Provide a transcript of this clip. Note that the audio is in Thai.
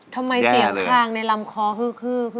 ทำไมเสียงคางในลำคอคือ